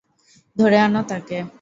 ধরে আনো তাকে।